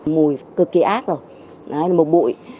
mùi cực kỳ ác rồi một bụi